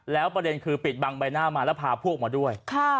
แล้วประเด็นคือปิดบังใบหน้ามาแล้วพาพวกมาด้วย